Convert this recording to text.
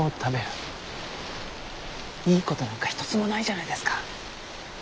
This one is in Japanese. いいことなんか一つもないじゃないですか。